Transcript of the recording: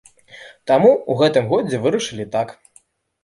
Таму ў гэтым годзе вырашылі так.